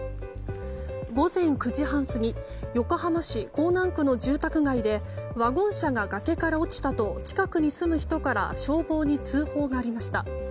午前９時半過ぎ横浜市港南区の住宅街でワゴン車が崖から落ちたと近くに住む人から消防に通報がありました。